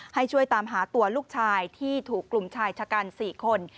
ให้ช่วยตามหาตัวลูกชายที่ถูกกลุ่มชายชะกัน๔คน